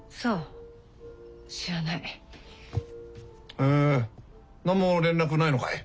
へえ何も連絡ないのかい。